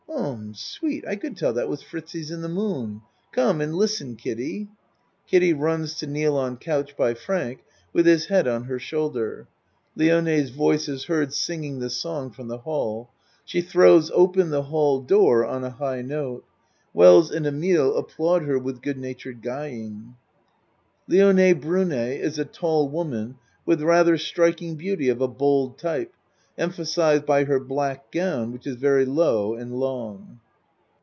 Um sweet. I could tell that was Fritzie's in the moon. Come and listen, Kiddie. (Kiddie runs to kneel on couch by Frank with his head on her shoulder. Lionels voice is heard singing the song from the hall. She throws open the hall door on a high note. Wells and Emile applaud her with good natured guying. Lione Brune is a tall woman with rather strik ing beauty of a bold type, emphasized by her black gown which is very low and long.)